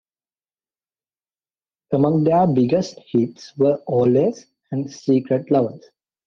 Among their biggest hits were "Always" and "Secret Lovers".